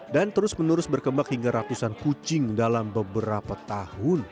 dan terus menerus berkembang hingga ratusan kucing dalam beberapa tahun